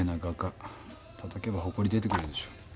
たたけばホコリ出てくるでしょ。